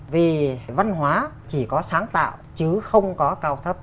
vì văn hóa chỉ có sáng tạo chứ không có cao thấp